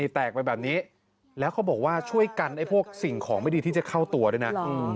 แตกไปแบบนี้แล้วเขาบอกว่าช่วยกันไอ้พวกสิ่งของไม่ดีที่จะเข้าตัวด้วยนะ